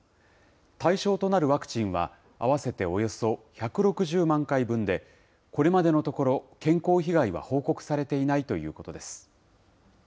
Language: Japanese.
対象となるワクチンは合わせておよそ１６０万回分で、これまでのところ、健康被害は報告されていないということです。